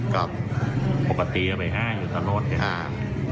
ครับปกติเอาไปห้าอยู่ตลอดใช่ไหมอ่า